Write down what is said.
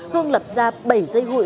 hương lập ra bảy dây hụi